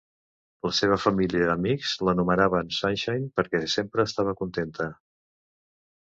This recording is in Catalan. La seva família i amics l'anomenaven "Sunshine" perquè sempre estava contenta.